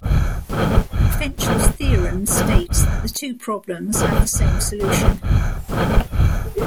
Fenchel's theorem states that the two problems have the same solution.